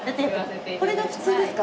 これが普通ですか？